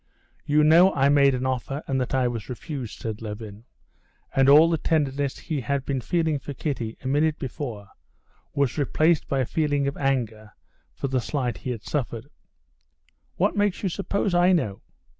"You know I made an offer and that I was refused," said Levin, and all the tenderness he had been feeling for Kitty a minute before was replaced by a feeling of anger for the slight he had suffered. "What makes you suppose I know?"